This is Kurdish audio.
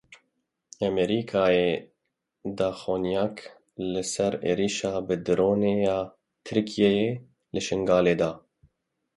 Amerîkayê daxuyaniyek li ser êrişa bi dronê ya Tirkiyeyê li Şingalê da.